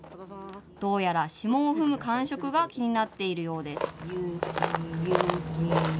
どうやら霜を踏む感触が気になっているようです。